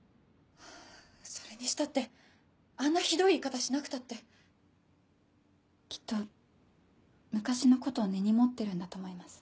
それにしたってあんなひどい言い方しなくたって。きっと昔のことを根に持ってるんだと思います。